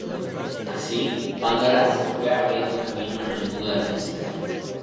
Así Pandora se fue abriendo camino en el mundo de la música.